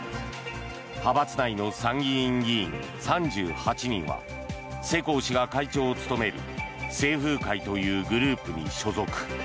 派閥内の参議院議員３８人は世耕氏が会長を務める清風会というグループに所属。